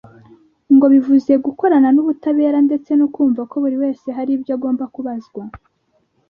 ngo bivuze gukorana n’ubutabera ndetse no kumva ko buri wese hari ibyo agomba kubazwa